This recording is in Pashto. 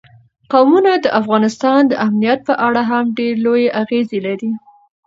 قومونه د افغانستان د امنیت په اړه هم ډېر لوی اغېز لري.